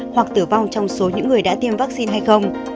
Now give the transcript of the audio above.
hoặc tử vong trong số những người đã tiêm vaccine hay không